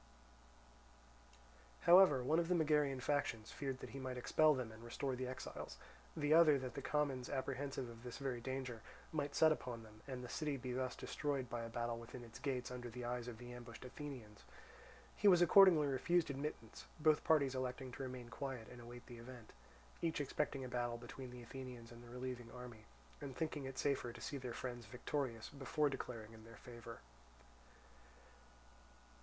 However, one of the Megarian factions feared that he might expel them and restore the exiles; the other that the commons, apprehensive of this very danger, might set upon them, and the city be thus destroyed by a battle within its gates under the eyes of the ambushed Athenians. He was accordingly refused admittance, both parties electing to remain quiet and await the event; each expecting a battle between the Athenians and the relieving army, and thinking it safer to see their friends victorious before declaring in their favour.